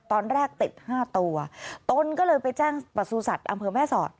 ตอนแรกติดห้าตัวตนก็เลยไปแจ้งประสูจัตว์อำเภอแม่สอด